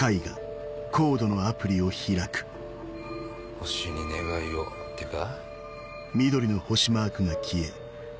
星に願いをってか？